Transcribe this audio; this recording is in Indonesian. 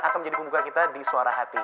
akan menjadi pembuka kita di suara hati